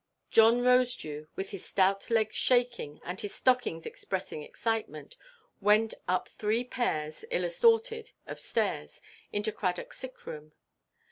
John Rosedew, with his stout legs shaking, and his stockings expressing excitement, went up three pairs (ill–assorted) of stairs into Cradockʼs sick room.